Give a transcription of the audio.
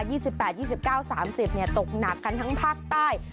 ี่สิบแปดยี่สิบเก้าสามสิบเนี่ยตกหนักกันทั้งภาคใต้